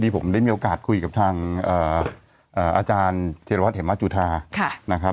ผมได้มีโอกาสคุยกับทางอาจารย์เจรวรรษเหมือนจุธา